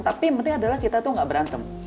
tapi penting adalah kita tuh nggak berantem